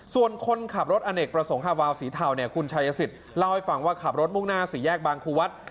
ส่วนคนขับรถอเนกประสงค์ฮาวาวสีเทาเนี่ยคุณชายสิทธิ์เล่าให้ฟังว่าขับรถมุ่งหน้าสี่แยกบางครูวัด